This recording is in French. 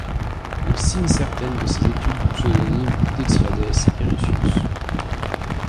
Il signe certaines de ces études du pseudonyme Dexiades Ericius.